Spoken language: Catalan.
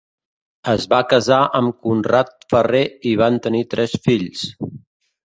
Es va casar amb Conrad Ferrer i van tenir tres fills: